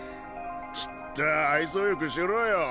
ちっとは愛想よくしろよ。